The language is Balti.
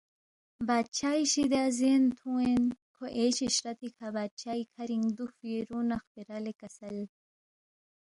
بادشائی شِدیا زین تُھون٘ین کھو عیش عشرتی کھہ بادشائی کھرِنگ دُوکفی رُونگ نہ خپیرا لے کسل